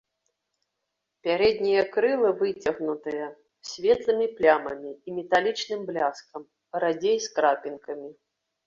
Пярэднія крылы выцягнутыя, з светлымі плямамі і металічным бляскам, радзей з крапінкамі.